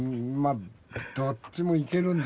あどっちも行けるんだ。